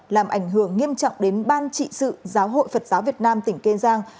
làm ảnh hưởng nghiêm trọng đến ban trị sự giáo hội phật giáo việt nam tỉnh kiên giang